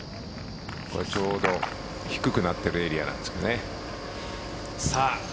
ちょうど低くなっているエリアなんですね。